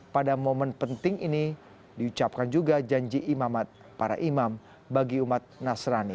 pada momen penting ini diucapkan juga janji imamat para imam bagi umat nasrani